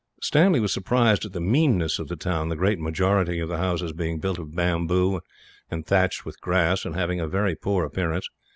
Stanley was surprised at the meanness of the town; the great majority of the houses being built of bamboo, and thatched with grass, and having a very poor appearance.